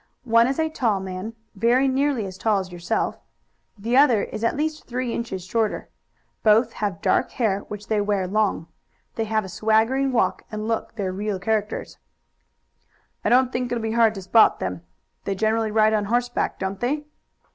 One is a tall man, very nearly as tall as yourself; the other is at least three inches shorter. Both have dark hair which they wear long. They have a swaggering walk and look their real characters." "I don't think it'll be hard to spot them. They generally ride on horseback, don't they?"